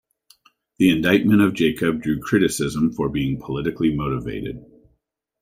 The indictment of Jacob drew criticism for being politically motivated.